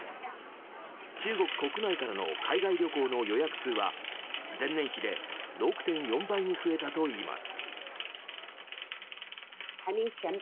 中国国内からの海外旅行の予約数は前年比で６．４倍に増えたといいます。